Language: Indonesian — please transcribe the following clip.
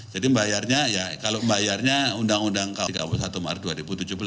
jadi membayarnya kalau membayarnya undang undang tiga puluh satu maret dua ribu tujuh belas